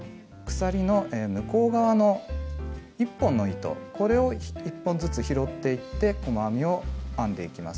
鎖の向こう側の１本の糸これを１本ずつ拾っていって細編みを編んでいきます。